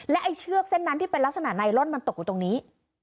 ไอ้เชือกเส้นนั้นที่เป็นลักษณะไนลอนมันตกอยู่ตรงนี้